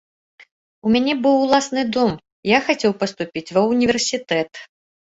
У мяне быў уласны дом, я хацеў паступіць ва ўніверсітэт.